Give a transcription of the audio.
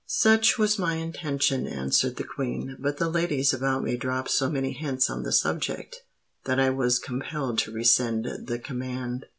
"Such was my intention," answered the Queen; "but the ladies about me dropped so many hints on the subject, that I was compelled to rescind the command.